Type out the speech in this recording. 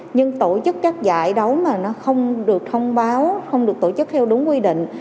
nhưng tổ chức các giải đấu mà nó không được thông báo không được tổ chức theo đúng quy định